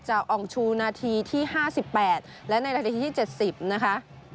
จากออกชูนาทีที่๕๘และในแรกใดที่๗๐นะคะ